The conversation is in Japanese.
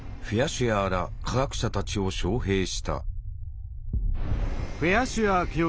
シュアーら科学者たちを招へいした。